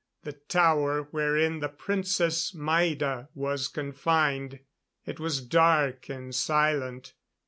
The tower wherein the Princess Maida was confined. It was dark and silent.